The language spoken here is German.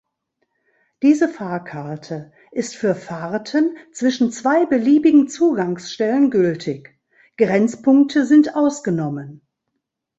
Diese Fahrkarte ist für Fahrten zwischen zwei beliebigen Zugangsstellen gültig; Grenzpunkte sind ausgenommen.